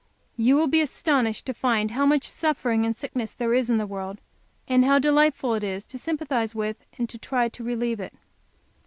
You will be astonished to find how much suffering and sickness there is in this world, and how delightful it is to sympathize with and try to relieve it."